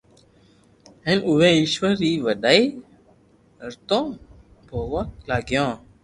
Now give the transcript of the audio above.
ھين او وي ايشور ري وڏائي رتو يوا لاگيو